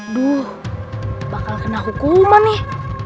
duh bakal kena hukuman nih